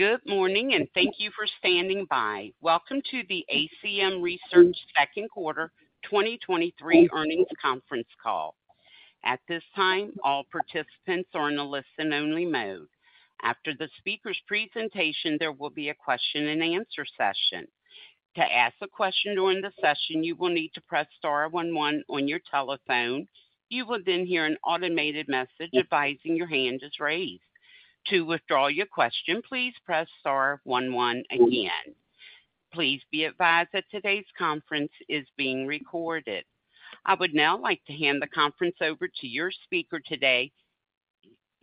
Good morning, and thank you for standing by. Welcome to the ACM Research second quarter 2023 earnings conference call. At this time, all participants are in a listen-only mode. After the speaker's presentation, there will be a question-and-answer session. To ask a question during the session, you will need to press star 11 on your telephone. You will hear an automated message advising your hand is raised. To withdraw your question, please press star 11 again. Please be advised that today's conference is being recorded. I would now like to hand the conference over to your speaker today,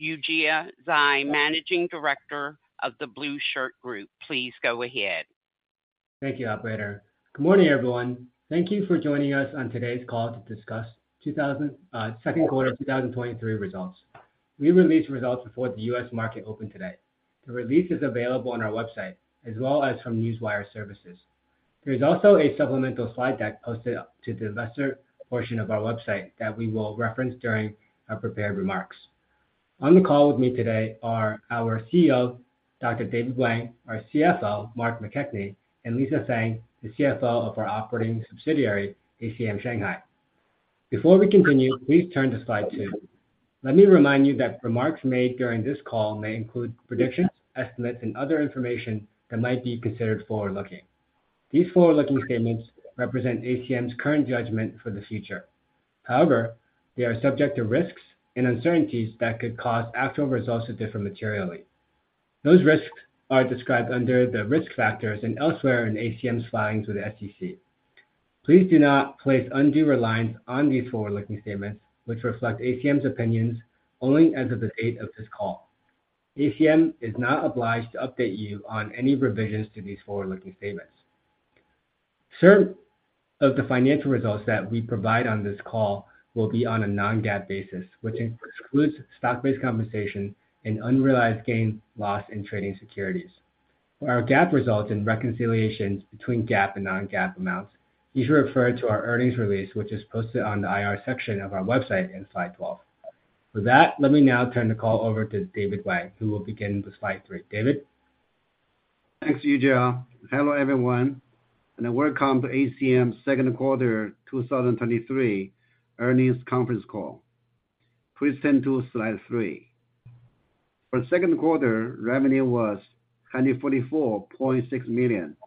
Yujia Zhai, Managing Director of the Blueshirt Group. Please go ahead. Thank you, operator. Good morning, everyone. Thank you for joining us on today's call to discuss second quarter 2023 results. We released results before the U.S. market opened today. The release is available on our website as well as from Newswire Services. There is also a supplemental slide deck posted to the investor portion of our website that we will reference during our prepared remarks. On the call with me today are our CEO, David H. Wang, our CFO, Mark McKechnie, and Lisa Sang, the CFO of our operating subsidiary, ACM Shanghai. Before we continue, please turn to slide two. Let me remind you that remarks made during this call may include predictions, estimates, and other information that might be considered forward-looking. These forward-looking statements represent ACM's current judgment for the future. However, they are subject to risks and uncertainties that could cause actual results to differ materially. Those risks are described under the risk factors and elsewhere in ACM's filings with the SEC. Please do not place undue reliance on these forward-looking statements, which reflect ACM's opinions only as of the date of this call. ACM is not obliged to update you on any revisions to these forward-looking statements. Certain of the financial results that we provide on this call will be on a non-GAAP basis, which excludes stock-based compensation and unrealized gain, loss in trading securities. For our GAAP results and reconciliations between GAAP and non-GAAP amounts, please refer to our earnings release, which is posted on the IR section of our website in slide 12. For that, let me now turn the call over to David Wang, who will begin with slide three. David? Thanks, Yujia. Hello, everyone, and welcome to ACM's second quarter 2023 earnings conference call. Please turn to slide three. For second quarter, revenue was $144.6 million,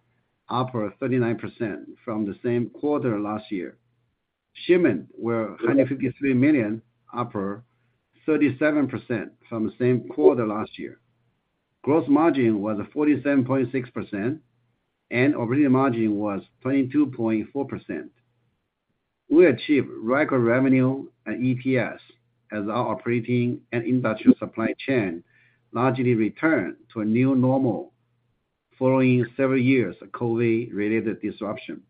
up 39% from the same quarter last year. Shipments were $153 million, up 37% from the same quarter last year. Gross margin was 47.6%, and operating margin was 22.4%. We achieved record revenue and EPS as our operating and industrial supply chain largely returned to a new normal following several years of COVID-related disruption.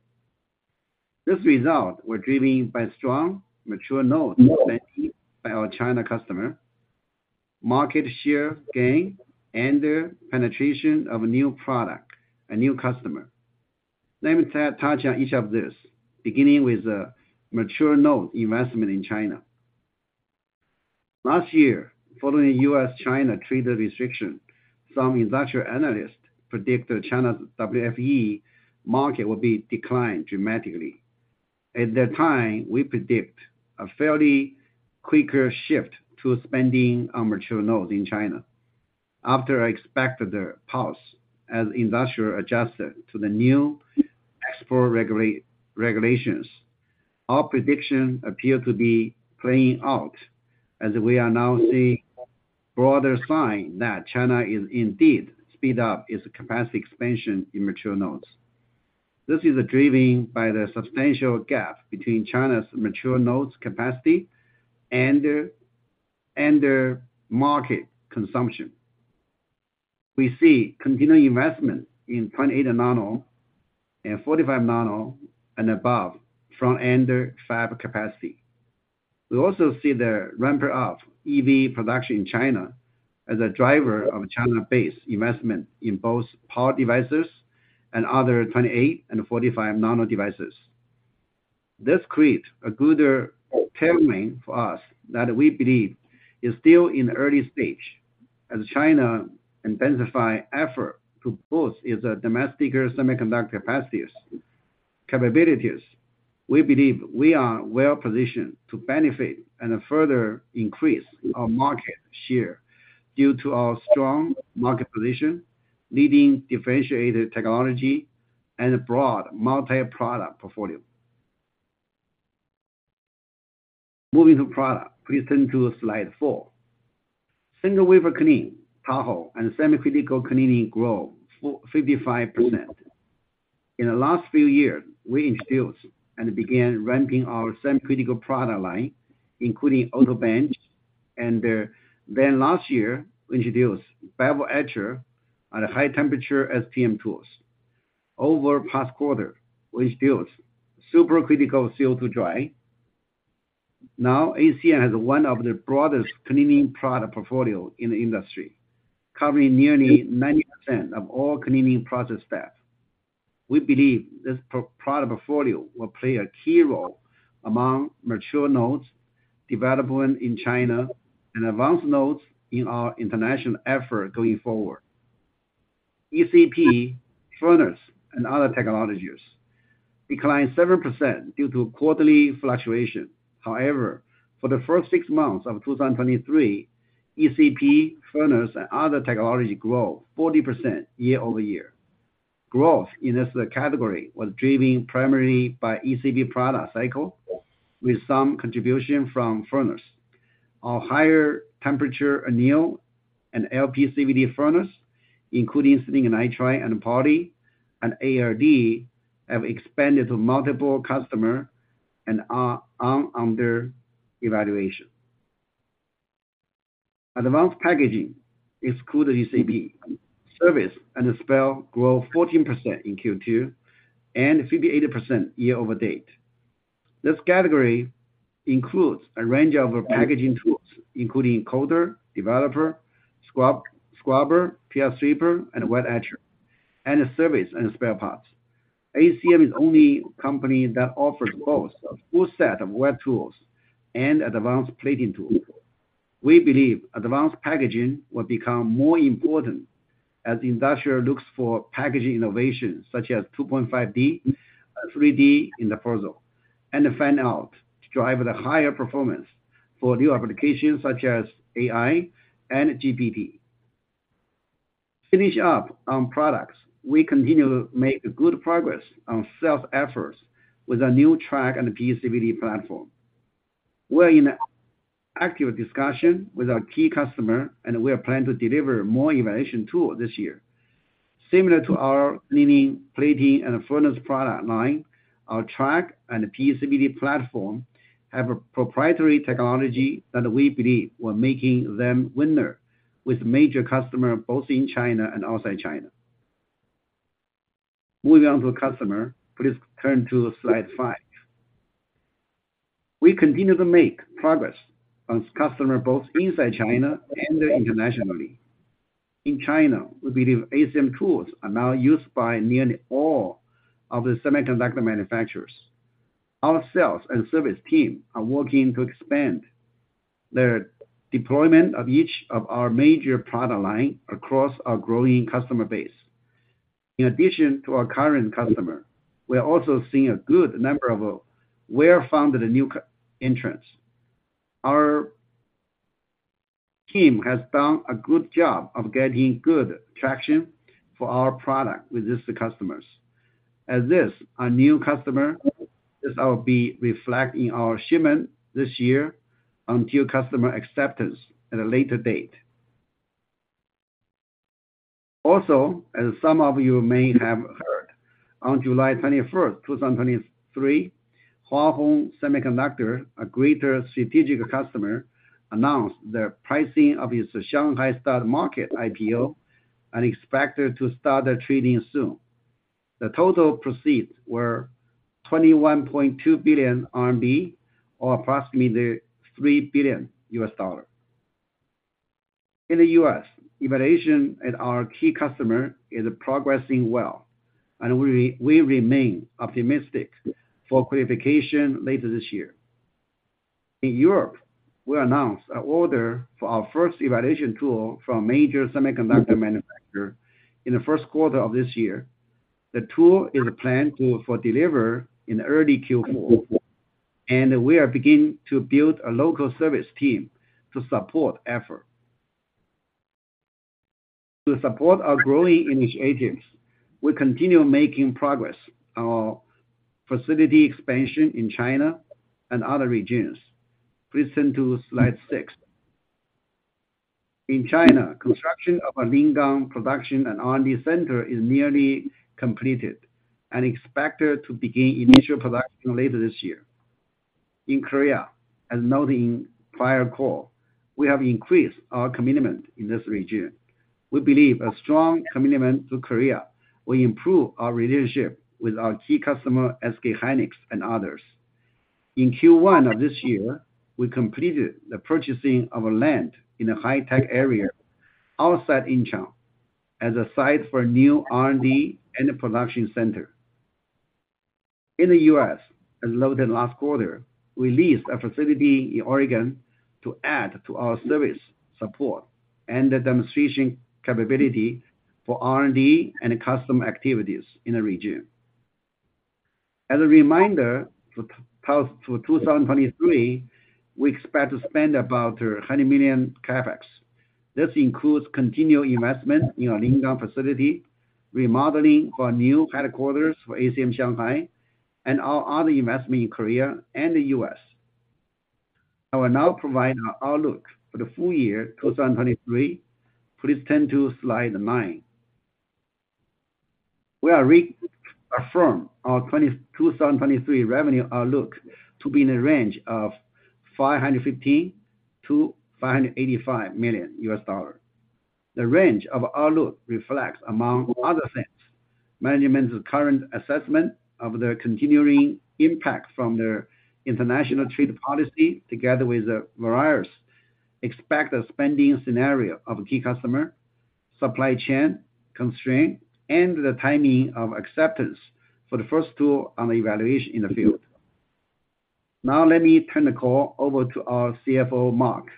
This result were driven by strong mature nodes by our China customer, market share gain, and the penetration of a new product and new customer. Let me touch on each of these, beginning with the mature node investment in China. Last year, following U.S.-China trade restriction, some industrial analysts predicted China's WFE market will be declined dramatically. At the time, we predicted a fairly quicker shift to spending on mature nodes in China. After an expected pause as industrial adjusted to the new export regulations, our prediction appeared to be playing out as we are now seeing broader signs that China is indeed speed up its capacity expansion in mature nodes. This is driven by the substantial gap between China's mature nodes capacity and their market consumption. We see continued investment in 28nm and 45nm and above front-end fab capacity. We also see the ramp up EV production in China as a driver of China-based investment in both power devices and other 28 and 45nm devices. This creates a good terrain for us that we believe is still in early stage as China intensify effort to boost its domestic semiconductor capacities, capabilities. We believe we are well positioned to benefit and further increase our market share due to our strong market position, leading differentiated technology, and broad multi-product portfolio. Moving to product, please turn to slide four. Single wafer clean, Tahoe, and semi-critical cleaning grow 55%. In the last few years, we introduced and began ramping our semi-critical product line, including AutoBench. Last year, we introduced Bubble Etcher and high temperature SPM tools. Over past quarter, we introduced supercritical CO2 dry. ACM has one of the broadest cleaning product portfolio in the industry, covering nearly 90% of all cleaning process steps. We believe this product portfolio will play a key role among mature nodes development in China, and advanced nodes in our international effort going forward. ECP, furnace, and other technologies declined 7% due to quarterly fluctuation. However, for the first six months of 2023, ECP, furnace, and other technology grew 40% year-over-year. Growth in this category was driven primarily by ECP product cycle, with some contribution from furnace. Our higher temperature anneal and LPCVD furnace, including Nitride and Poly, and ARD, have expanded to multiple customer and are under evaluation. Advanced packaging, including ECP, service and spare grew 14% in Q2, and 58% year-over-date. This category includes a range of packaging tools, including encoder, developer, scrubber, PR sweeper, and wet etcher, and service and spare parts. ACM is the only company that offers both a full set of wet tools and advanced plating tool. We believe advanced packaging will become more important as the industrial looks for packaging innovations such as 2.5D, 3D in the future, and fan out to drive the higher performance for new applications such as AI and GPT. Finish up on products. We continue to make good progress on sales efforts with our new track and PECVD platform. We're in active discussion with our key customer, we are planning to deliver more evaluation tool this year. Similar to our leading plating and furnace product line, our track and PECVD platform have a proprietary technology that we believe will making them winner with major customer, both in China and outside China. Moving on to customer. Please turn to slide five. We continue to make progress on customer, both inside China and internationally. In China, we believe ACM tools are now used by nearly all of the semiconductor manufacturers. Our sales and service team are working to expand their deployment of each of our major product line across our growing customer base. In addition to our current customer, we are also seeing a good number of well-funded new entrants. Our team has done a good job of getting good traction for our product with these customers. As this, our new customer, this will be reflected in our shipment this year until customer acceptance at a later date. Also, as some of you may have heard, on July 21st, 2023, Hua Hong Semiconductor, a greater strategic customer, announced the pricing of its Shanghai Stock Market IPO and expected to start their trading soon. The total proceeds were 21.2 billion RMB, or approximately $3 billion. In the U.S., evaluation at our key customer is progressing well, we remain optimistic for qualification later this year. In Europe, we announced an order for our first evaluation tool from a major semiconductor manufacturer in the first quarter of this year. The tool is planned for deliver in early Q4, we are beginning to build a local service team to support effort. To support our growing initiatives, we continue making progress on our facility expansion in China and other regions. Please turn to slide 6. In China, construction of our Ningbo production and R&D center is nearly completed and expected to begin initial production later this year. In Korea, as noted in prior call, we have increased our commitment in this region. We believe a strong commitment to Korea will improve our relationship with our key customer, SK Hynix and others. In Q1 of this year, we completed the purchasing of a land in a high-tech area outside Incheon, as a site for a new R&D and production center. In the U.S., as noted last quarter, we leased a facility in Oregon to add to our service, support, and demonstration capability for R&D and custom activities in the region. As a reminder, for 2023, we expect to spend about $100 million CapEx. This includes continued investment in our Ningbo facility, remodeling our new headquarters for ACM Shanghai, and our other investment in Korea and the U.S. I will now provide our outlook for the full year, 2023. Please turn to slide nine. We reaffirm our 2023 revenue outlook to be in the range of $550 million-$585 million. The range of outlook reflects, among other things, management's current assessment of the continuing impact from the international trade policy, together with the expect the spending scenario of a key customer, supply chain constraint, and the timing of acceptance for the first tool on the evaluation in the field. Now, let me turn the call over to our CFO, Mark,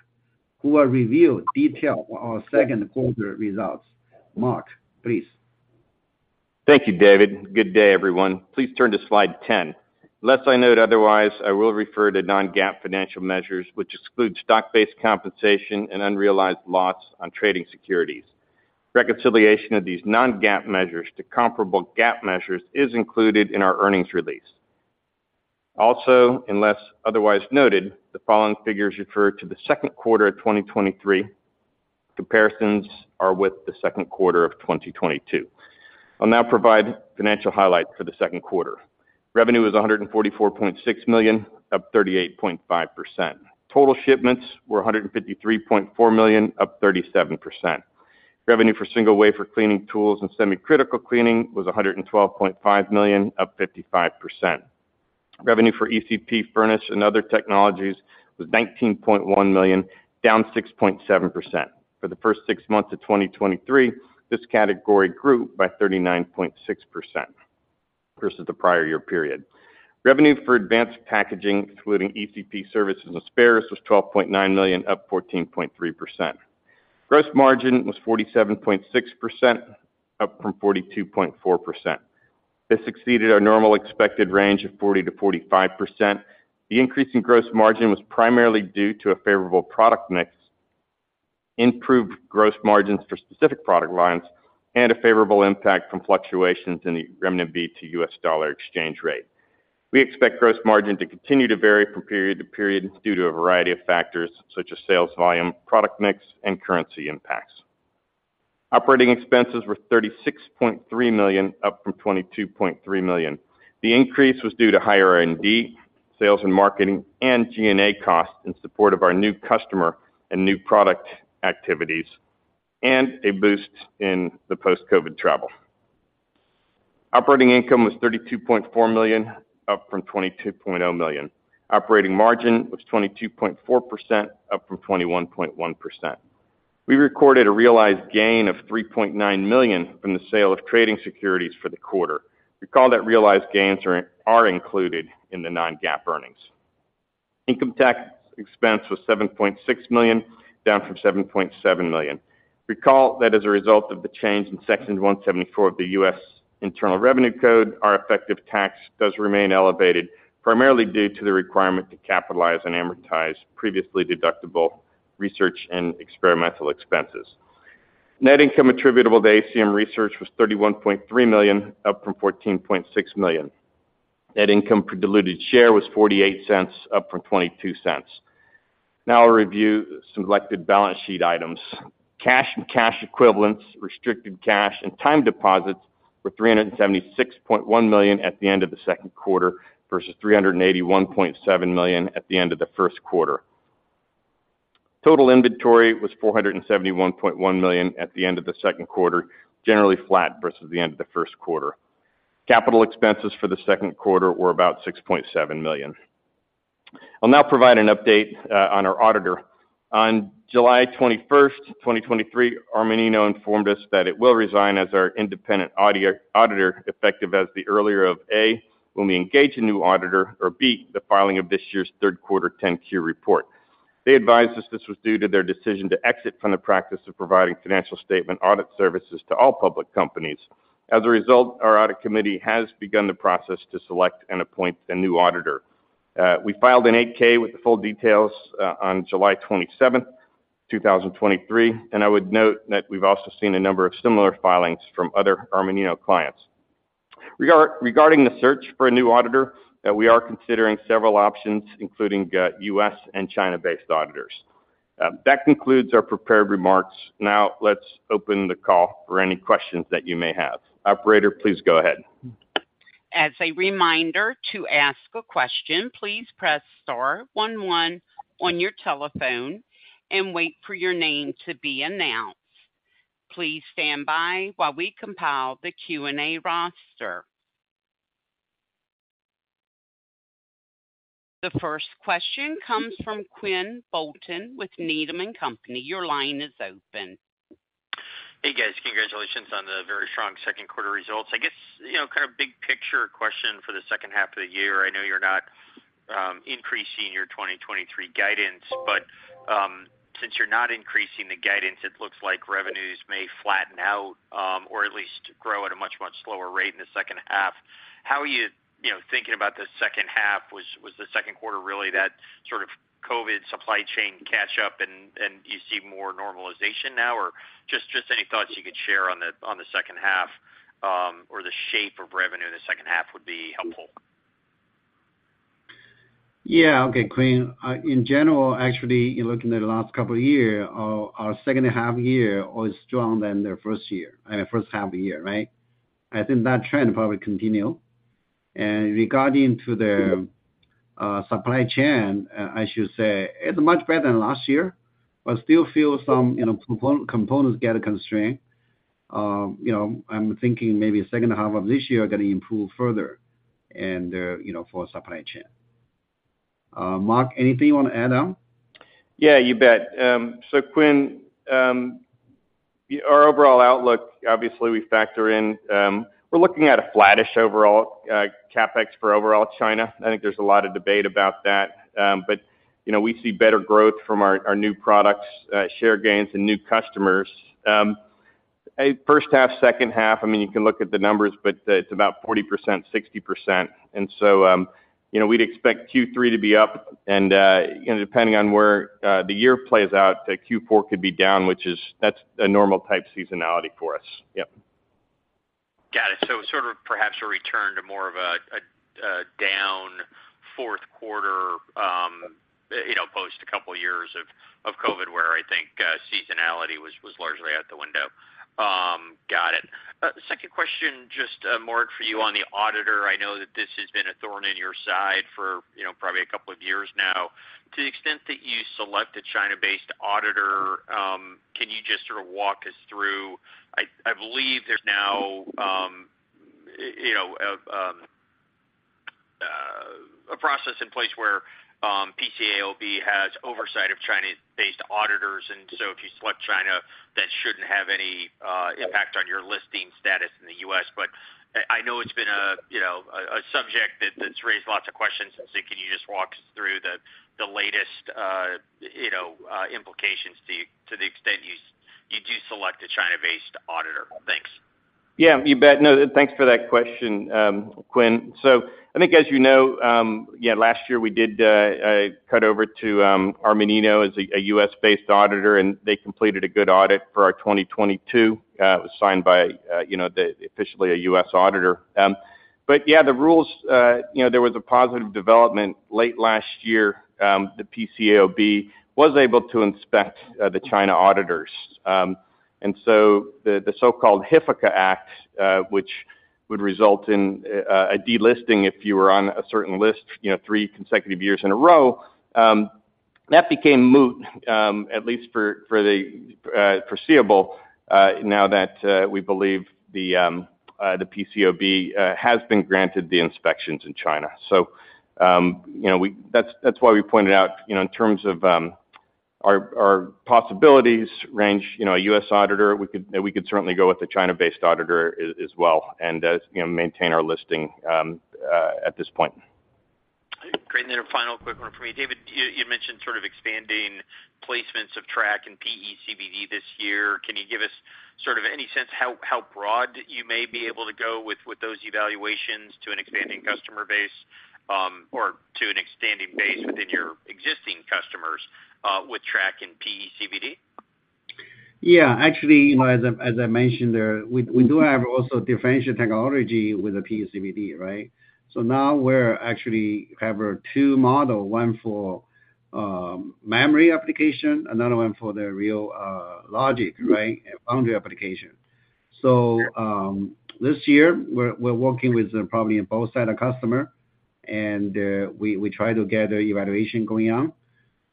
who will review detail on our second quarter results. Mark, please. Thank you, David. Good day, everyone. Please turn to slide 10. Unless I note otherwise, I will refer to non-GAAP financial measures, which exclude stock-based compensation and unrealized loss on trading securities. Reconciliation of these non-GAAP measures to comparable GAAP measures is included in our earnings release. Also, unless otherwise noted, the following figures refer to the second quarter of 2023. Comparisons are with the second quarter of 2022. I'll now provide financial highlights for the second quarter. Revenue was $144.6 million, up 38.5%. Total shipments were $153.4 million, up 37%. Revenue for single wafer cleaning tools and semi-critical cleaning was $112.5 million, up 55%. Revenue for ECP furnace and other technologies was $19.1 million, down 6.7%. For the first six months of 2023, this category grew by 39.6% versus the prior year period. Revenue for advanced packaging, including ECP services and spares, was $12.9 million, up 14.3%. Gross margin was 47.6%, up from 42.4%. This exceeded our normal expected range of 40%-45%. The increase in gross margin was primarily due to a favorable product mix, improved gross margins for specific product lines, and a favorable impact from fluctuations in the renminbi to U.S. dollar exchange rate. We expect gross margin to continue to vary from period to period due to a variety of factors such as sales volume, product mix, and currency impacts. Operating expenses were $36.3 million, up from $22.3 million. The increase was due to higher R&D, sales and marketing, and G&A costs in support of our new customer and new product activities, and a boost in the post-COVID travel. Operating income was $32.4 million, up from $22.0 million. Operating margin was 22.4%, up from 21.1%. We recorded a realized gain of $3.9 million from the sale of trading securities for the quarter. Recall that realized gains are included in the non-GAAP earnings. Income tax expense was $7.6 million, down from $7.7 million. Recall that as a result of the change in Section 174 of the U.S. Internal Revenue Code, our effective tax does remain elevated, primarily due to the requirement to capitalize and amortize previously deductible research and experimental expenses. Net income attributable to ACM Research was $31.3 million, up from $14.6 million. Net income per diluted share was $0.48, up from $0.22. Now I'll review selected balance sheet items. Cash and cash equivalents, restricted cash, and time deposits were $376.1 million at the end of the second quarter, versus $381.7 million at the end of the first quarter. Total inventory was $471.1 million at the end of the second quarter, generally flat versus the end of the first quarter. Capital expenses for the second quarter were about $6.7 million. I'll now provide an update on our auditor. On July 21st, 2023, Armanino informed us that it will resign as our independent auditor, effective as the earlier of, A, when we engage a new auditor, or B, the filing of this year's 3rd quarter 10-Q report. They advised us this was due to their decision to exit from the practice of providing financial statement audit services to all public companies. As a result, our audit committee has begun the process to select and appoint a new auditor. We filed an 8-K with the full details on July 27th, 2023, and I would note that we've also seen a number of similar filings from other Armanino clients. Regarding the search for a new auditor, we are considering several options, including U.S. and China based auditors. That concludes our prepared remarks. Now, let's open the call for any questions that you may have. Operator, please go ahead. As a reminder, to ask a question, please press star one one on your telephone and wait for your name to be announced. Please stand by while we compile the Q&A roster. The first question comes from Quinn Bolton with Needham & Company. Your line is open. Hey, guys. Congratulations on the very strong second quarter results. I guess, you know, kind of big picture question for the second half of the year. I know you're not, increasing your 2023 guidance, but, since you're not increasing the guidance, it looks like revenues may flatten out, or at least grow at a much, much slower rate in the second half. How are you, you know, thinking about the second half? Was, was the second quarter really that sort of COVID supply chain catch up, and, and do you see more normalization now? Or just, just any thoughts you could share on the, on the second half, or the shape of revenue in the second half would be helpful. Yeah. Okay, Quinn, in general, actually, in looking at the last couple of year, our second half year was stronger than the first year, first half of the year, right? I think that trend will probably continue. Regarding to the supply chain, I should say it's much better than last year, but still feel some, you know, components get constrained. You know, I'm thinking maybe second half of this year are going to improve further, you know, for supply chain. Mark, anything you want to add on? Yeah, you bet. Quinn, our overall outlook, obviously, we factor in, we're looking at a flattish overall CapEx for overall China. I think there's a lot of debate about that. You know, we see better growth from our, our new products, share gains and new customers. First half, second half, I mean, you can look at the numbers, it's about 40%, 60%. You know, we'd expect Q3 to be up, and depending on where the year plays out, Q4 could be down, which is, that's a normal type seasonality for us. Yep. Got it. Sort of perhaps a return to more of a, a, a down fourth quarter, you know, post a couple of years of, of COVID, where I think seasonality was, was largely out the window. Got it. The second question, just Mark, for you on the auditor. I know that this has been a thorn in your side for, you know, probably a couple of years now. To the extent that you select a China based auditor, can you just sort of walk us through? I, I believe there's now, you know, a process in place where PCAOB has oversight of Chinese-based auditors, and so if you select China, that shouldn't have any impact on your listing status in the U.S. I, I know it's been a, you know, a subject that, that's raised lots of questions, so can you just walk us through the, the latest, you know, implications to, to the extent you, you do select a China-based auditor? Thanks. Yeah, you bet. No, thanks for that question, Quinn. I think, as you know, last year, we did cut over to Armanino as a U.S. based auditor, and they completed a good audit for our 2022. It was signed by, you know, officially a U.S. auditor. The rules, you know, there was a positive development late last year, the PCAOB was able to inspect the China auditors. The so-called HFCA Act, which would result in a delisting if you were on a certain list, you know, 3 consecutive years in a row, that became moot, at least for, for the foreseeable, now that we believe the PCAOB has been granted the inspections in China. you know, that's, that's why we pointed out, you know, in terms of, our possibilities range, you know, a U.S. auditor, we could, we could certainly go with a China-based auditor as well, and, you know, maintain our listing, at this point. Great. Then a final quick one for me. David, you, you mentioned sort of expanding placements of track and PECVD this year. Can you give us sort of any sense how, how broad you may be able to go with, with those evaluations to an expanding customer base, or to an expanding base within your existing customers, with track and PECVD? Yeah, actually, you know, as I, as I mentioned there, we, we do have also differential technology with the PECVD, right? Now we're actually have a two model, one for memory application, another one for the real logic, right, boundary application. This year, we're, we're working with probably both side of customer, and we, we try to get the evaluation going on,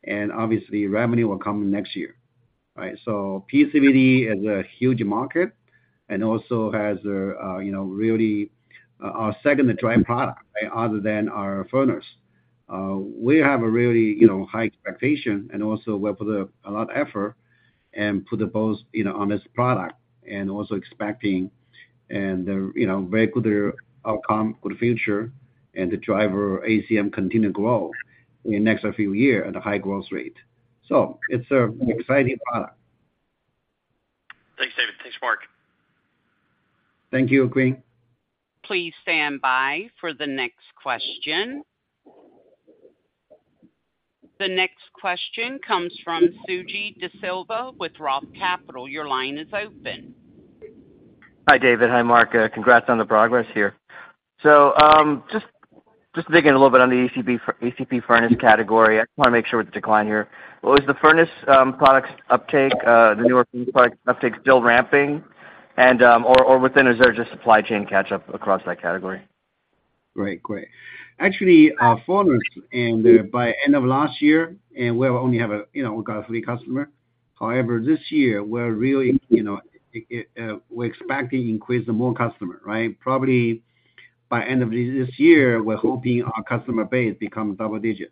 and obviously, revenue will come next year, right? PECVD is a huge market and also has a, you know, really our second to dry product, other than our furnace. We have a really, you know, high expectation and also work with a lot of effort and put the both, you know, on this product and also expecting and, you know, very good outcome for the future and the driver ACM continue to grow in the next few years at a high growth rate. It's an exciting product. Thanks, David. Thanks, Mark. Thank you, Quinn. Please stand by for the next question. The next question comes from Suji DeSilva with Roth Capital. Your line is open. Hi, David. Hi, Mark. Congrats on the progress here. Digging a little bit on the ECP furnace category. I just want to make sure with the decline here. Was the furnace products uptake, the newer product uptake, still ramping? Within, is there just supply chain catch up across that category? Great, great. Actually, our furnace, by end of last year, we only have, you know, got three customers. However, this year, we're really, you know, we're expecting to increase more customers, right? Probably by end of this year, we're hoping our customer base becomes double-digit.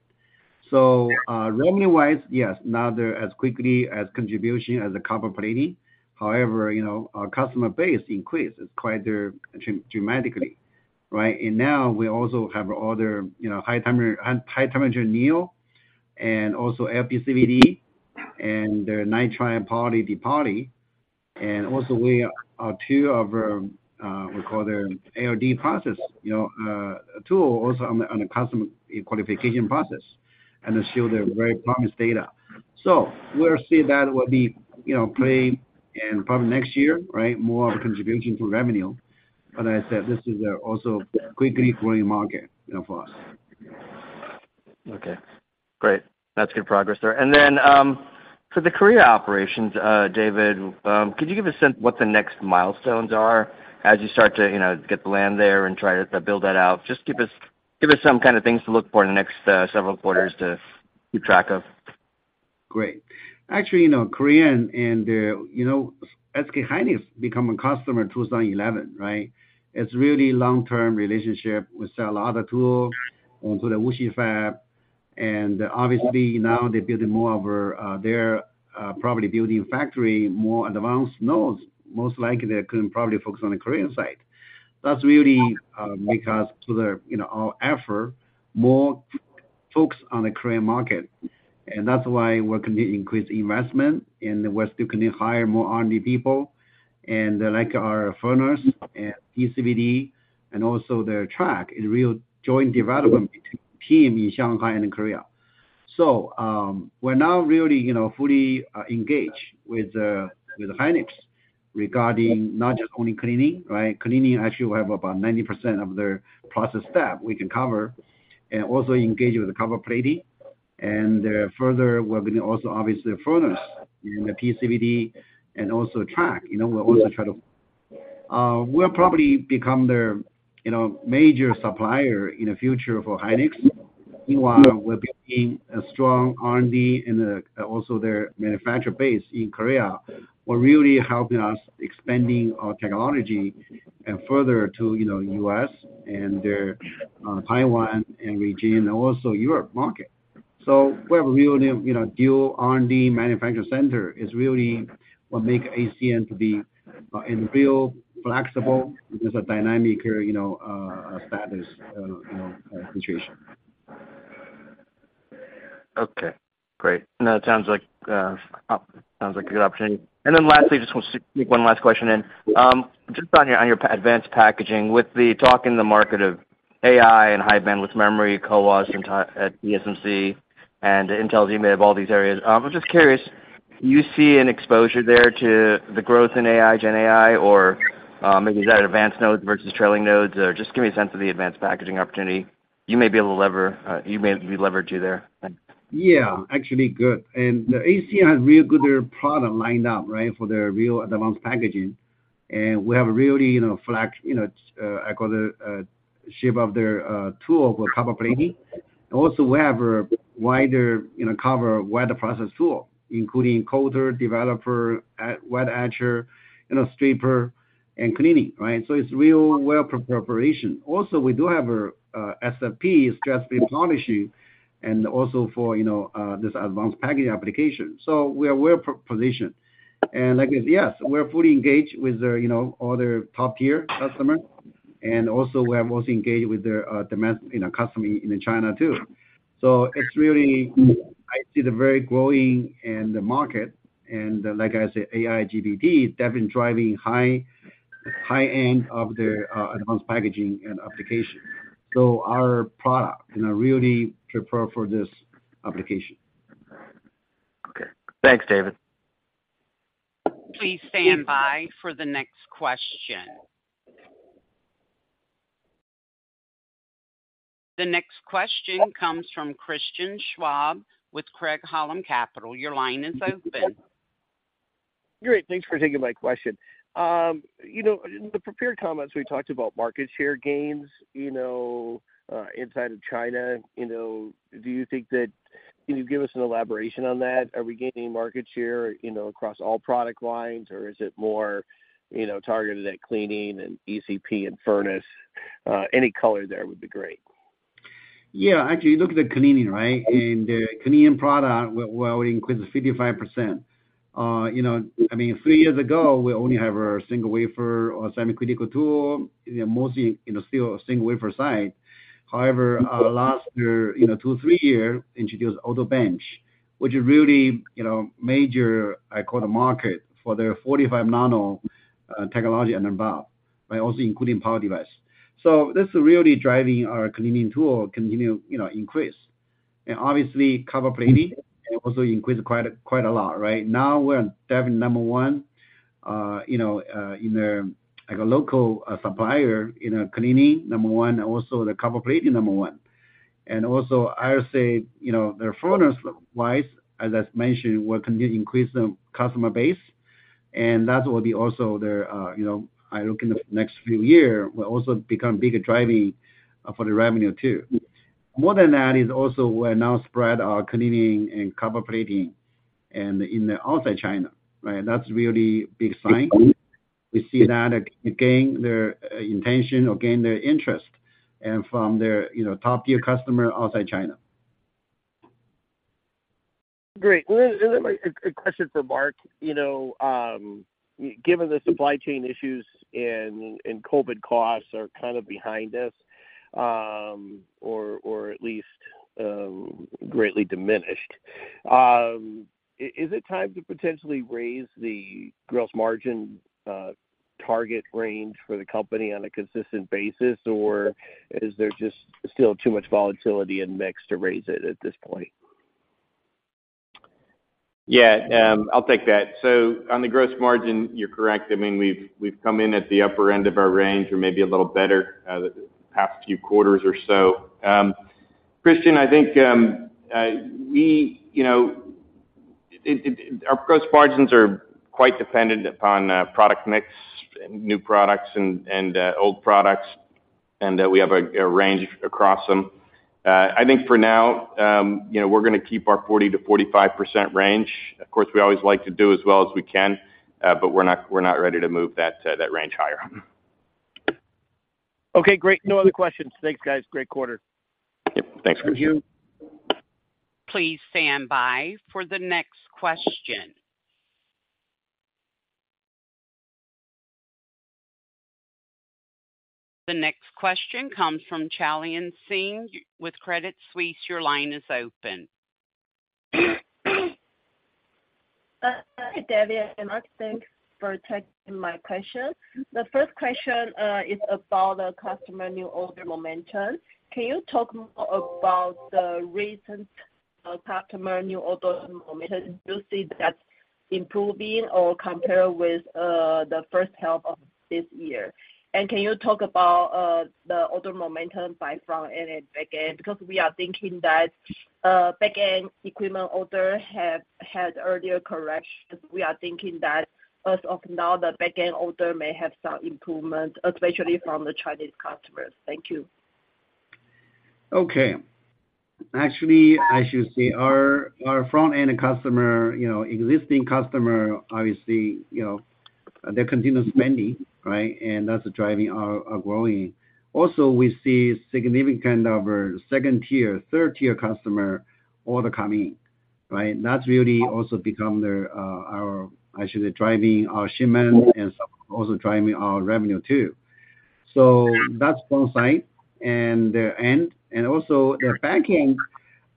Revenue-wise, yes, not as quickly as contribution as copper plating. However, you know, our customer base increased quite dramatically, right? Now we also have other, you know, high temperature, high temperature NEO and also LPCVD and the Nitride poly depo. Also we are two of our, we call them ALD process, you know, tools also on the, on the customer qualification process, and it show their very promising data. We'll see that will be, you know, play in probably next year, right? More of a contribution to revenue. I said, this is also a quickly growing market, you know, for us. Okay, great. That's good progress there. Then, for the Korea operations, David, could you give a sense what the next milestones are as you start to, you know, get the land there and try to build that out? Just give us, give us some kind of things to look for in the next several quarters to keep track of. Great. Actually, you know, Korea and, you know, SK hynix become a customer in 2011, right? It's really long-term relationship. We sell a lot of tool onto the Wuxi fab, and obviously, now they're building more of our, they're, probably building factory, more advanced nodes. Most likely, they can probably focus on the Korea side. That's really, make us to the, you know, our effort, more focus on the Korea market. That's why we're going to increase investment, and we're still going to hire more R&D people. Like, our furnace and ECVD, and also their track, is real joint development between team in Shanghai and in Korea. We're now really, you know, fully engaged with, with hynix regarding not just only cleaning, right? Cleaning, actually, we have about 90% of their process step we can cover, and also engage with the copper plating. Further, we're building also, obviously, the furnace in the PECVD and also track. You know, we'll also try to, we'll probably become their, you know, major supplier in the future for Hynix. Meanwhile, we're building a strong R&D and also their manufacture base in Korea, are really helping us expanding our technology and further to, you know, U.S. and their Taiwan, and region, and also Europe market. We have a really, you know, dual R&D manufacturing center is really what make ACM to be and real flexible. It is a dynamic, you know, status, you know, situation. Okay, great. No, it sounds like, sounds like a good opportunity. Then lastly, just want to sneak one last question in. Just on your, on your advanced packaging, with the talk in the market of AI and high bandwidth memory, CoWoS at TSMC and Intel's EMIB, all these areas. I'm just curious, do you see an exposure there to the growth in AI, generative AI, or, maybe is that advanced nodes versus trailing nodes? Just give me a sense of the advanced packaging opportunity you may be able to lever, you may be leveraged to there. Yeah, actually good. The ACM has a real good product lined up, right, for their real advanced packaging. We have a really, you know, flex, you know, I call the shape of their tool for copper plating. Also, we have a wider, you know, cover wider process tool, including coater, developer, wet etcher, you know, stripper and cleaning, right? It's real well preparation. Also, we do have a SFP, stress-free polishing, and also for, you know, this advanced packaging application. We are well-positioned. Like I said, yes, we're fully engaged with their, you know, all their top-tier customers, and also we are most engaged with their demand, you know, customer in China, too. It's really, I see the very growing in the market. Like I said, AI, GPT, they've been driving high, high end of the advanced packaging and application. Our product, you know, really prepared for this application. Okay. Thanks, David. Please stand by for the next question. The next question comes from Christian Schwab with Craig-Hallum Capital. Your line is open. Great, thanks for taking my question. You know, in the prepared comments, we talked about market share gains, you know, inside of China, you know, can you give us an elaboration on that? Are we gaining market share, you know, across all product lines, or is it more, you know, targeted at cleaning and ECP and furnace? Any color there would be great. Yeah, actually, you look at the cleaning, right? The cleaning product, we're increasing 55%. you know, I mean, three years ago, we only have a single wafer or semi-critical tool, mostly, you know, still a single wafer site. However, last year, you know, two, three years, introduced AutoBench, which is really, you know, major, I call the market for the forty-five nano technology and above, by also including power device. This is really driving our cleaning tool, continue, you know, increase. Obviously, copper plating, and also increase quite a lot, right? Now, we're having number one, you know, in a, like a local, supplier in a cleaning number one, and also the copper plating number one. Also, I would say, you know, the furnace wise, as I mentioned, we're continuing to increase the customer base, and that will be also the, you know, I look in the next few year, will also become bigger driving for the revenue too. More than that, is also we're now spread our cleaning and copper plating and in the outside China, right? That's really big sign. We see that again, their intention or gain their interest and from their, you know, top-tier customer outside China. Great. Well, a question for Mark. You know, given the supply chain issues and, and COVID costs are kind of behind us, or at least greatly diminished, is it time to potentially raise the gross margin target range for the company on a consistent basis, or is there just still too much volatility in mix to raise it at this point? Yeah, I'll take that. On the gross margin, you're correct. I mean, we've, we've come in at the upper end of our range or maybe a little better, the past few quarters or so. Christian, I think, we, you know, our gross margins are quite dependent upon product mix, new products and, and, old products. That we have a, a range across them. I think for now, you know, we're going to keep our 40%-45% range. Of course, we always like to do as well as we can, but we're not, we're not ready to move that range higher. Okay, great. No other questions. Thanks, guys. Great quarter. Yep. Thanks, Hugh. Please stand by for the next question. The next question comes from Chalani Singh with Credit Suisse. Your line is open. Hi, David and Mark. Thanks for taking my question. The first question is about the customer new order momentum. Can you talk about the recent customer new order momentum? Do you see that improving or compare with the first half of this year? Can you talk about the order momentum by front-end and back end? We are thinking that back end equipment order have had earlier correction. We are thinking that as of now, the back-end order may have some improvement, especially from the Chinese customers. Thank you. Okay. Actually, I should say our, our front-end customer, you know, existing customer, obviously, you know, they continue spending, right? That's driving our, our growing. Also, we see significant of our second tier, third tier customer order coming in, right? That's really also become their, our, actually driving our shipment and also driving our revenue too. That's one side and the end, also the back end,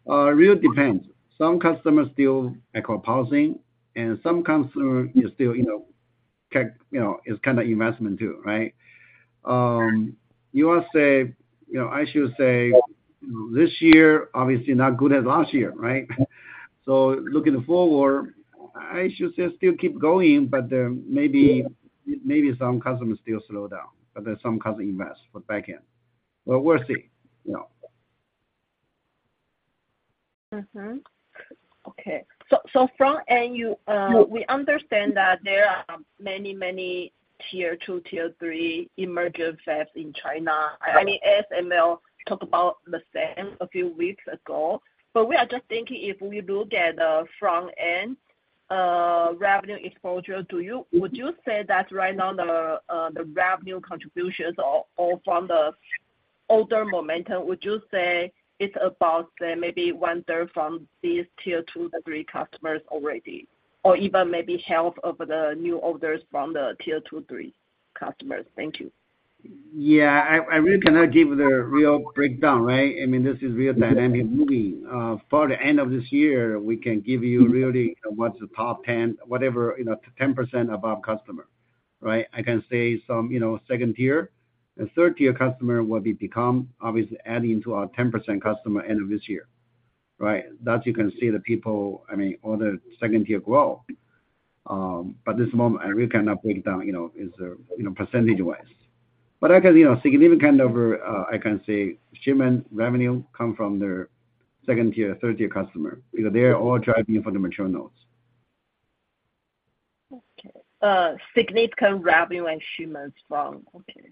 really depends. Some customers still, I call, pausing, and some customers is still, you know, tech, you know, it's kind of investment too, right? You are say, you know, I should say this year, obviously not good as last year, right? Looking forward, I should say, still keep going, but then maybe, maybe some customers still slow down, but there's some customer invest for back end. We'll see, you know. Mm-hmm. Okay. So front end, you, we understand that there are many, many tier 2, tier 3 emergence fabs in China. I mean, ASML talked about the same a few weeks ago, we are just thinking, if we look at the front end, revenue exposure, would you say that right now the revenue contributions are all from the older momentum? Would you say it's about, maybe one-third from these tier two or three customers already, or even maybe half of the new orders from the tier 2, 3 customers? Thank you. I, I really cannot give the real breakdown, right? I mean, this is real dynamic moving. For the end of this year, we can give you really what's the top 10, whatever, you know, 10% above customer, right? I can say some, you know, second tier and third tier customer will be become obviously adding to our 10% customer end of this year, right? That you can see the people, I mean, all the second tier grow. This moment, I really cannot break down, you know, is a, you know, percentage wise. I can, you know, significant kind of, I can say, shipment revenue come from the second tier, third tier customer, because they're all driving for the mature nodes. Okay. significant revenue and shipments from. Okay.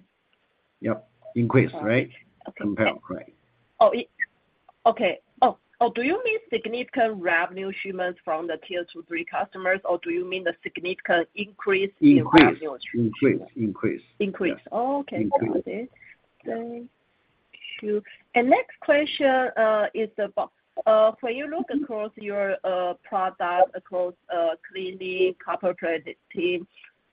Yep. Increase, right? Okay. Compared, right. Oh, it-- okay. Oh, oh, do you mean significant revenue shipments from the tier 2, 3 customers, or do you mean the significant increase in revenue? Increase, increase, increase. Increase. Yeah. Okay. Increase. Got it. Thank you. Next question, is about, when you look across your, product, across, cleaning, copper plating,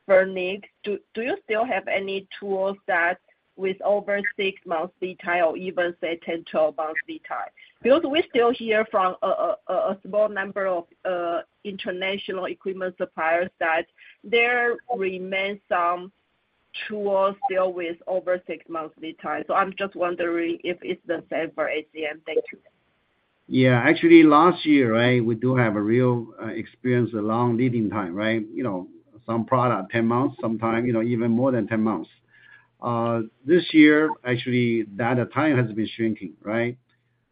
burning, do, do you still have any tools that with over six months lead time or even say, 10, 12 months lead time? Because we still hear from a, a, a small number of, international equipment suppliers that there remains some tools still with over six months lead time. I'm just wondering if it's the same for ACM. Thank you. Yeah. Actually, last year, right, we do have a real experience, a long leading time, right? You know, some product, 10 months, sometime, you know, even more than 10 months. This year, actually, that time has been shrinking, right?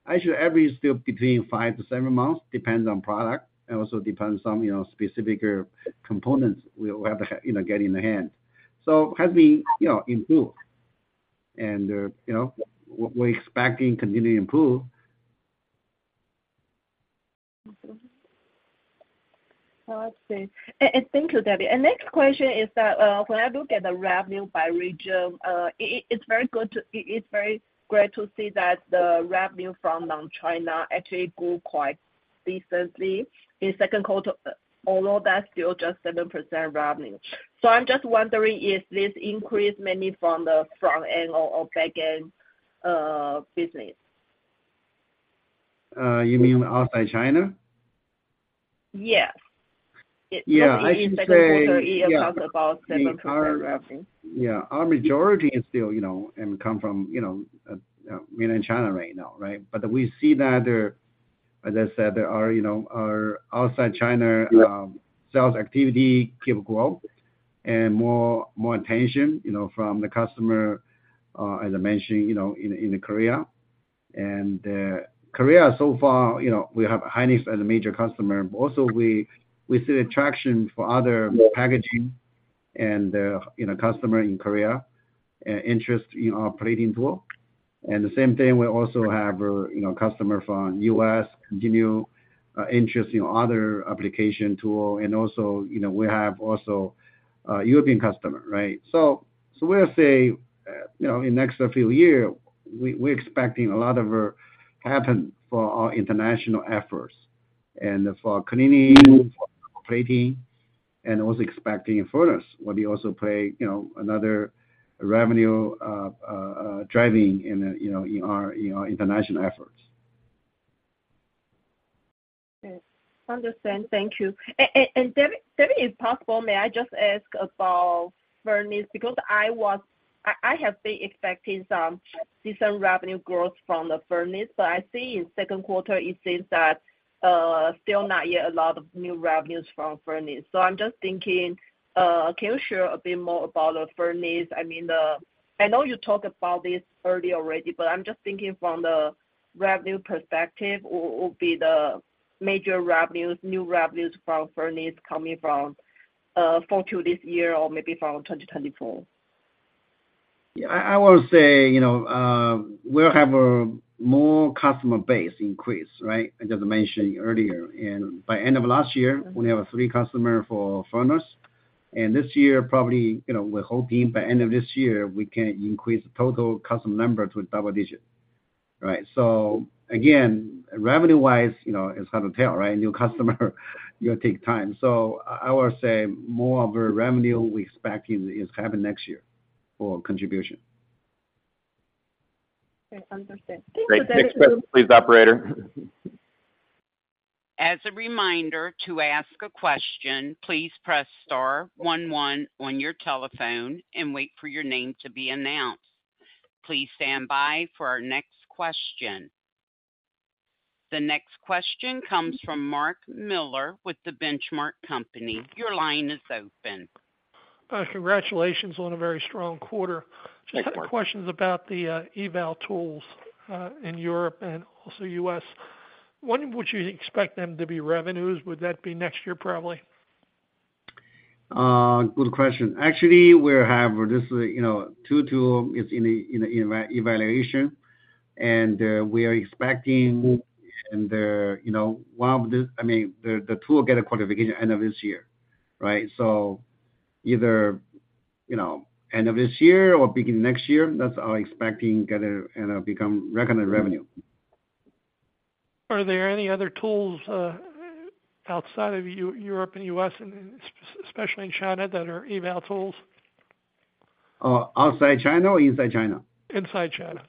Actually, every still between five to seven months, depends on product, and also depends on, you know, specific components we have to, you know, get in the hand. Has been, you know, improved. You know, we're expecting continuing improve. Mm-hmm. Well, let's see. Thank you, David. Next question is that, when I look at the revenue by region, it's very great to see that the revenue from non-China actually grew quite decently in second quarter, although that's still just 7% revenue. I'm just wondering, is this increase mainly from the front end or back end business? you mean outside China? Yes. Yeah, I can. In second quarter, it was about 7% revenue. Yeah. Our majority is still, you know, and come from, you know, mainland China right now, right? We see that there, as I said, there are, you know, our outside China- Yeah... sales activity keep grow and more, more attention, you know, from the customer, as I mentioned, you know, in Korea. Korea so far, you know, we have Hynix as a major customer. Also, we see the traction for other packaging and, you know, customer in Korea, interest in our plating tool. The same thing, we also have, you know, customer from U.S. continue interest in other application tool. Also, you know, we have also European customer, right? So we'll say, you know, in next few year, we're expecting a lot of happen for our international efforts and for cleaning, for plating, and also expecting furnace, where we also play, you know, another revenue driving in our international efforts. Okay. Understand. Thank you. David, David, if possible, may I just ask about furnace? Because I have been expecting some decent revenue growth from the furnace, but I see in second quarter, it says that, still not yet a lot of new revenues from furnace. I'm just thinking, can you share a bit more about the furnace? I mean, I know you talked about this early already, but I'm just thinking from the revenue perspective, what would be the major revenues, new revenues from furnace coming from, for to this year or maybe from 2024? Yeah, I will say, you know, we'll have a more customer base increase, right? As I mentioned earlier, by end of last year, we have three customers for furnace. This year, probably, you know, we're hoping by end of this year, we can increase the total customer number to a double digit, right? Again, revenue wise, you know, it's hard to tell, right? New customer, you know, take time. I would say more of a revenue we expecting is happen next year for contribution. Okay, understand. Great. Next question, please, operator. As a reminder, to ask a question, please press star one one on your telephone and wait for your name to be announced. Please stand by for our next question. The next question comes from Mark Miller with The Benchmark Company. Your line is open. Congratulations on a very strong quarter. Thank you, Mark. Just a couple of questions about the eval tools in Europe and also U.S. When would you expect them to be revenues? Would that be next year, probably? Good question. Actually, we have this, you know, two tool is in the evaluation, and we are expecting, and the, you know, one of the.. I mean, the tool get a qualification end of this year, right? Either, you know, end of this year or beginning next year, that's our expecting get a, and become recognized revenue. Are there any other tools, outside of Europe and U.S., and especially in China, that are eval tools? outside China or inside China? Inside China.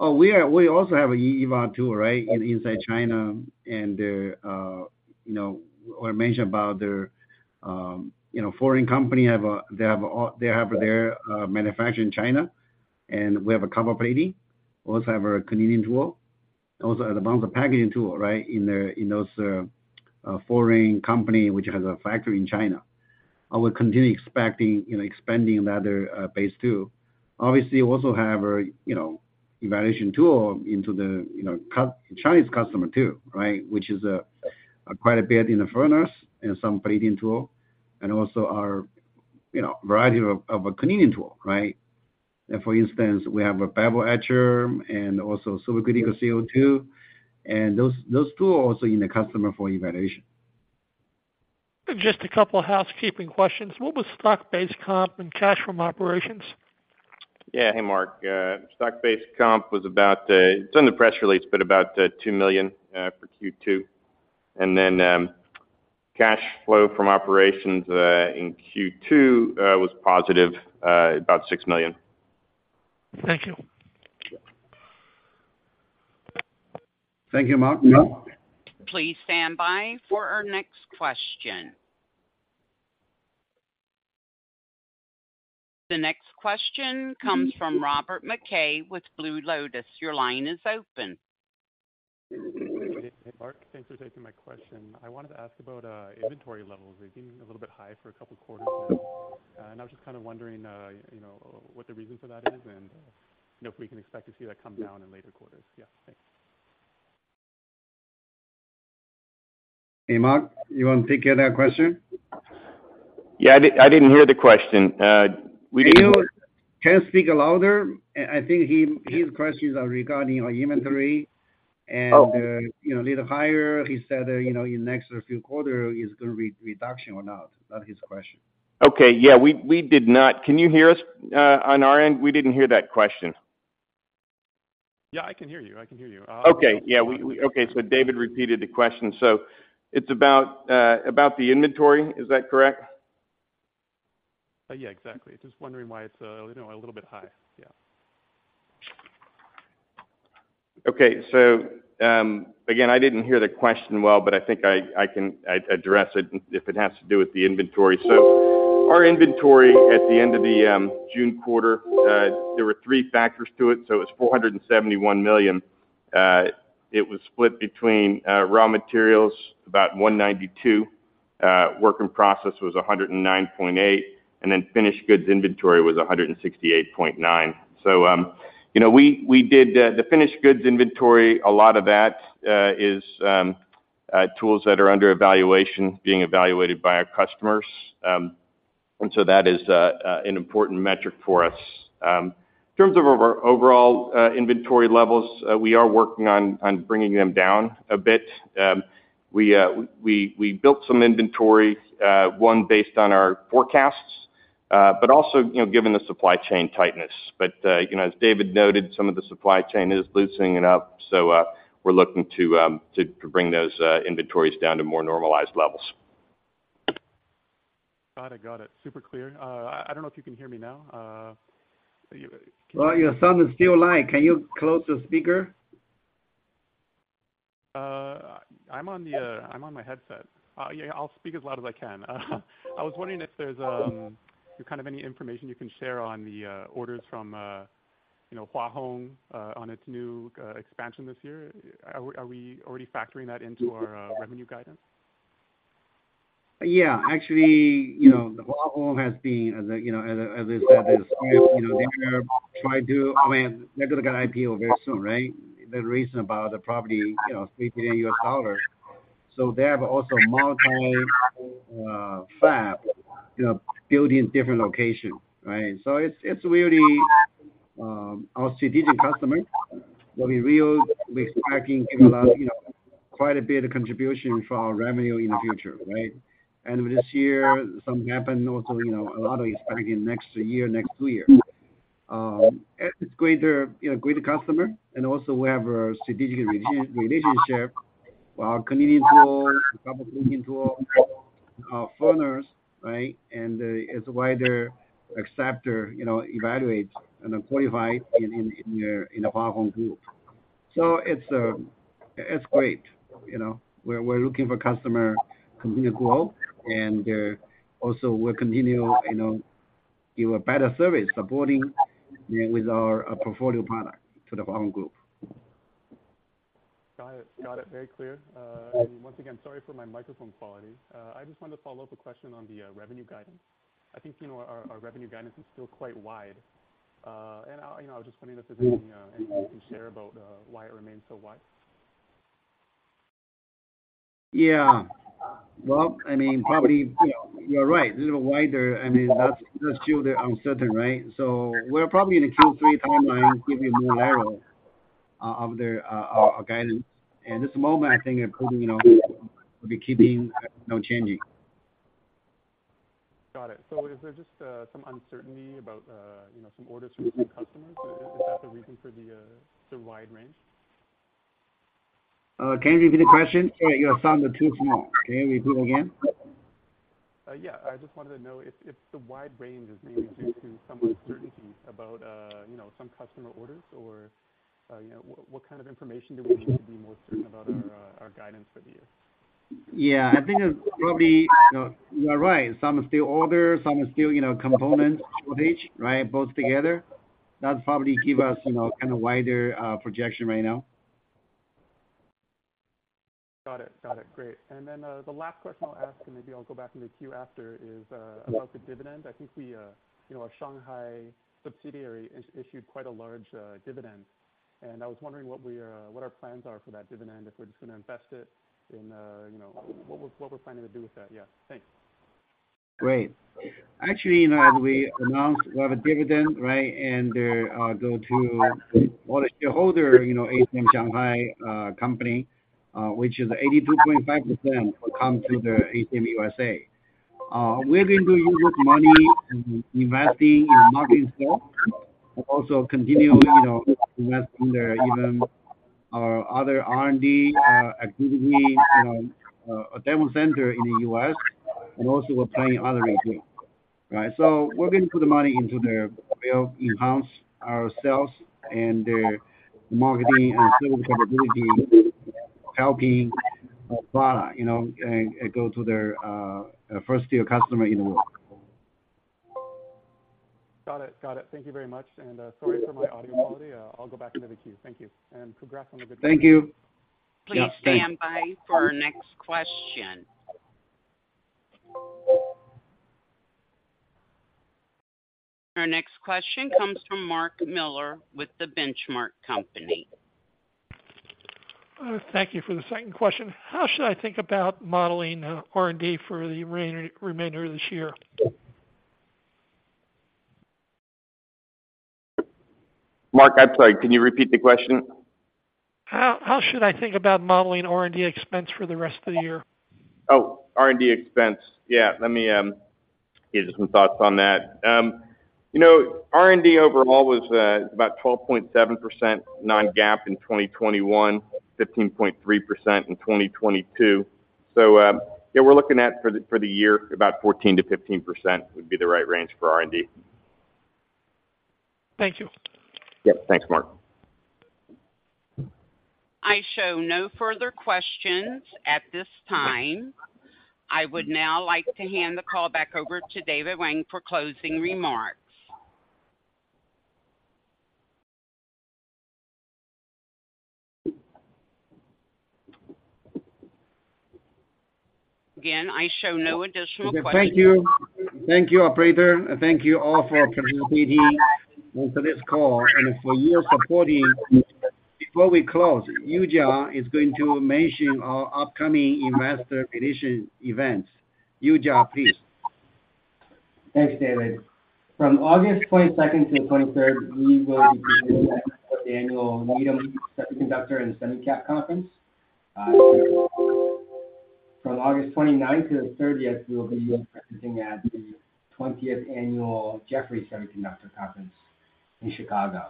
Oh, we also have a eval tool, right, inside China. You know, I mentioned about their, you know, foreign company have a, they have all, they have their manufacture in China, and we have a copper plating. We also have a cleaning tool, also a bunch of packaging tool, right? In the, in those foreign company, which has a factory in China. I would continue expecting, you know, expanding another base too. Obviously, we also have a, you know, evaluation tool into the, you know, Chinese customer too, right? Which is a, quite a bit in the furnace and some plating tool, and also our, you know, variety of, of a cleaning tool, right? For instance, we have a Bubble Etcher and also supercritical CO2, and those, those two are also in the customer for evaluation. Just a couple of housekeeping questions. What was stock-based comp and cash from operations? Yeah. Hey, Mark. stock based comp was about, it's in the press release, but about, $2 million, for Q2. Then, cash flow from operations, in Q2, was positive, about $6 million. Thank you. Thank you, Mark. Please stand by for our next question. The next question comes from Robert Mackay with Blue Lotus. Your line is open. Hey, Mark. Thanks for taking my question. I wanted to ask about inventory levels. They've been a little bit high for two quarters now, and I was just kind of wondering, you know, what the reason for that is, and if we can expect to see that come down in later quarters? Yeah. Thanks. Hey, Mark, you want to take care of that question? Yeah. I didn't hear the question. Can you speak louder? I think his questions are regarding our inventory. Oh... you know, a little higher. He said, you know, in next few quarter is going to be reduction or not? That's his question. Okay. Yeah, we, we did not. Can you hear us on our end? We didn't hear that question. Yeah, I can hear you. I can hear you. Okay. Yeah, Okay, so David repeated the question. It's about the inventory, is that correct? Yeah, exactly. Just wondering why it's, you know, a little bit high. Yeah. Okay. Again, I didn't hear the question well, but I think I, I can address it if it has to do with the inventory. Our inventory at the end of the June quarter, there were three factors to it, it was $471 million. It was split between raw materials, about $192 million. Work in process was $109.8 million, and then finished goods inventory was $168.9 million. You know, we, we did the finished goods inventory, a lot of that is tools that are under evaluation, being evaluated by our customers. That is an important metric for us. In terms of our overall inventory levels, we are working on bringing them down a bit. We, we built some inventory, one based on our forecasts, but also, you know, given the supply chain tightness. You know, as David noted, some of the supply chain is loosening up, so, we're looking to, to bring those inventories down to more normalized levels. Got it. Got it. Super clear. I don't know if you can hear me now. Your sound is still light. Can you close the speaker? I'm on the, I'm on my headset. Yeah, I'll speak as loud as I can. I was wondering if there's kind of any information you can share on the orders from, you know, Huahong, on its new expansion this year. Are we, are we already factoring that into our revenue guidance? Yeah. Actually, you know, Hua Hong has been, as a, you know, as I, as I said, is, you know, they try to, I mean, they're gonna get IPO very soon, right? The reason about the property, you know, $3 billion. They have also multi fab, you know, built in different locations, right? It's, it's really our strategic customer, where we expecting, give a lot, you know, quite a bit of contribution for our revenue in the future, right? This year, some happened also, you know, a lot is back in next year, next two year. It's greater, you know, great customer, and also we have a strategic relationship with our community tool, public tool, our partners, right? It's wider acceptor, you know, evaluates and qualify in, in, in, in the Huahong group. It's, it's great. You know, we're, we're looking for customer continued growth, and, also we're continue, you know, give a better service, supporting with our portfolio product to the Huahong group. Got it. Got it. Very clear. Once again, sorry for my microphone quality. I just wanted to follow up a question on the revenue guidance. I think, you know, our, our revenue guidance is still quite wide. I, you know, I was just wondering if there's anything, anything you can share about why it remains so wide? Yeah. Well, I mean, probably, you know, you're right. A little wider, I mean, that's, that's still the uncertain, right? So we're probably in the Q3 timeline, giving more narrow of the our, our guidance. This moment, I think, including, you know, we'll be keeping, no changing. Got it. Is there just, some uncertainty about, you know, some orders from some customers? Is that the reason for the, the wide range? Can you repeat the question? Your sound is too small. Can you repeat again? Yeah. I just wanted to know if, if the wide range is mainly due to some uncertainty about, you know, some customer orders, or, you know, what, what kind of information do we need to be more certain about our, our guidance for the year? Yeah, I think it's probably, you know, you are right. Some are still order, some are still, you know, components shortage, right? Both together. That's probably give us, you know, kind of wider, projection right now. Got it. Got it. Great. Then, the last question I'll ask, and maybe I'll go back into the queue after, is about the dividend. I think we, you know, our Shanghai subsidiary issued quite a large dividend, and I was wondering what we are, what our plans are for that dividend, if we're just gonna invest it in, you know, what we're planning to do with that. Yeah. Thanks. Great. Actually, you know, as we announced, we have a dividend, right? Go to all the shareholder, you know, ACM Shanghai company, which is 82.5%, will come to the ACM USA. We've been doing with money, investing in marketing stock, but also continue, you know, investing there, even our other R&D activity, you know, demo center in the U.S.. We're planning other things as well, right? We're going to put the money into the build, enhance ourselves and the marketing and sales capability, helping product, you know, and go to the first year customer in the world. Got it. Got it. Thank you very much, and sorry for my audio quality. I'll go back into the queue. Thank you, and congrats on the good work. Thank you. Please stand by for our next question. Our next question comes from Mark Miller with The Benchmark Company. Thank you for the second question. How should I think about modeling R&D for the remainder of this year? Mark, I'm sorry, can you repeat the question? How, how should I think about modeling R&D expense for the rest of the year? Oh, R&D expense. Yeah, let me give you some thoughts on that. You know, R&D overall was about 12.7% non-GAAP in 2021, 15.3% in 2022. Yeah, we're looking at for the, for the year, about 14%-15% would be the right range for R&D. Thank you. Yep. Thanks, Mark. I show no further questions at this time. I would now like to hand the call back over to David Wang for closing remarks. Again, I show no additional questions. Thank you. Thank you, operator, and thank you all for participating in this call and for your supporting. Before we close, Yujia is going to mention our upcoming investor relation events. Yujia, please. Thanks, David. From August 22nd to the 23rd, we will be at the annual Needham Semiconductor & SemiCap Conference. From August 29th to the 30th, we will be presenting at the 20th annual Jefferies Semiconductor Conference in Chicago.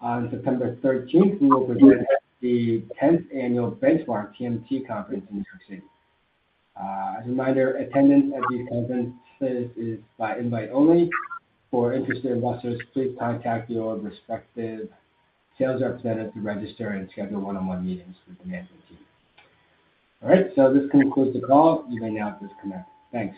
On September 13th, we will present at the 10th annual Benchmark TMT Conference in New York City. As a reminder, attendance at these conferences is by invite only. For interested investors, please contact your respective sales representative to register and schedule 1-on-1 meetings with the management team. All right, this concludes the call. You may now disconnect. Thanks.